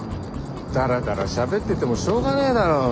ダラダラしゃべっててもしょうがねえだろ。